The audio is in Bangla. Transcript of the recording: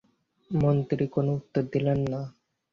মন্ত্রী কোনো উত্তর দিলেন না।